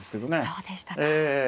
そうでしたか。